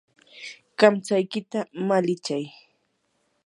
kamtsaykita malichimay.